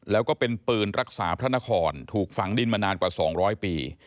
แล้วก็เป็นปืนรักษาพระนครถูกฝังดินมานานกว่า๒๐๐ปี